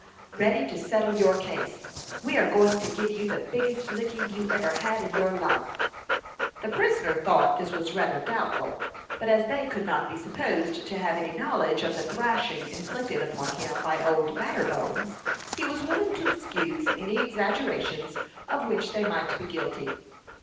"Ready to settle your case. We are going to give you the biggest licking you ever had in your life." The prisoner thought this was rather doubtful; but as they could not be supposed to have any knowledge of the thrashing inflicted upon him by "Old Batterbones," he was willing to excuse any exaggerations of which they might be guilty.